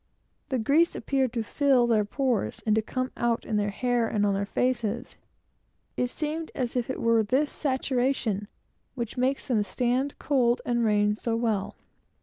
The grease seemed actually coming through their pores, and out in their hair, and on their faces. It seems as if it were this saturation which makes them stand cold and rain so well.